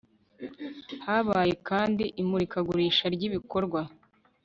habaye kandi imurikagurisha ry'ibikorwa